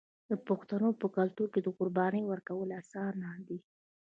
د پښتنو په کلتور کې د قربانۍ ورکول اسانه دي.